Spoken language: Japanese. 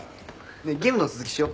ねえゲームの続きしよ。